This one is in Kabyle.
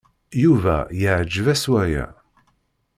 Yuba yeɛjeb-as waya.